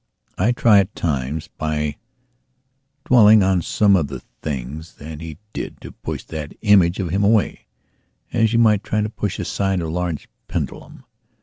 I try at times by dwelling on some of the things that he did to push that image of him away, as you might try to push aside a large pendulum.